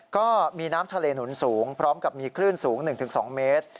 ก็มีน้ำทะเลหนุนสูงพร้อมกับมีคลื่นสูง๑๒เมตร